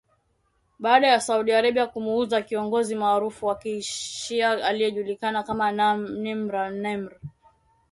baada ya Saudi Arabia kumuua kiongozi maarufu wa kishia aliyejulikana kama Nimr al Nimr